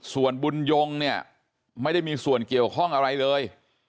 ส่วนบุญยงเนี่ยไม่ได้มีส่วนเกี่ยวข้องอะไรเลย